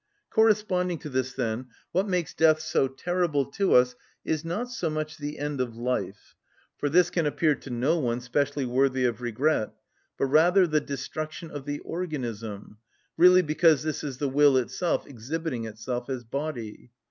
Corresponding to this, then, what makes death so terrible to us is not so much the end of life—for this can appear to no one specially worthy of regret—but rather the destruction of the organism; really because this is the will itself exhibiting itself as body.